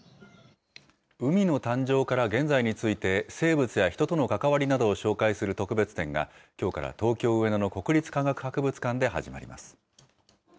海の誕生から現在について、生物や人との関わりなどを紹介する特別展が、きょうから東京・上野の国立科学博物館で始まります。